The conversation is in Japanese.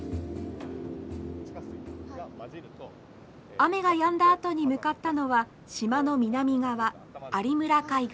雨がやんだあとに向かったのは島の南側有村海岸。